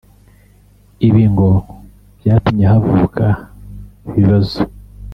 Ibi ngo byatumye havuka ibibazo